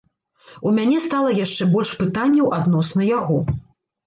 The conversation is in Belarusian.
У мяне стала яшчэ больш пытанняў адносна яго.